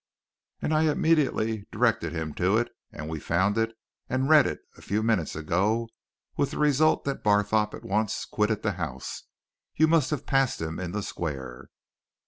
And I immediately directed him to it, and we found it and read it a few minutes ago with the result that Barthorpe at once quitted the house you must have passed him in the square."